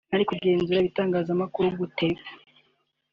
nari kugenzura ibitangazamakuru gute